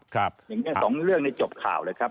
อย่างนี้สองเรื่องนี้จบข่าวเลยครับ